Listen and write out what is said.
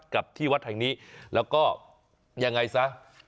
กับที่วัดแห่งนี้แล้วก็ยังไงซะ